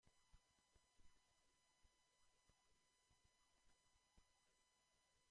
One of his grandchildren is Doctor John Ross Mackay.